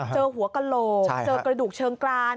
เจอหัวกระโหลกเจอกระดูกเชิงกราน